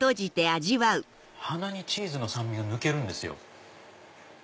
鼻にチーズの酸味が抜けるんですよ。